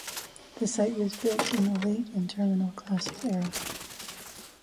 The site was built in the Late and Terminal Classic era.